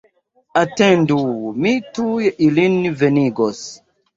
Atendu, mi tuj ilin venigos!